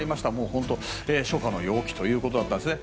本当、初夏の陽気ということでしたね。